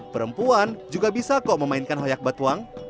perempuan juga bisa kok memainkan hoyak batuang